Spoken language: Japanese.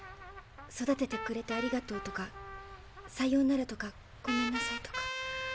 「育ててくれてありがとう」とか「さようなら」とか「ごめんなさい」とか。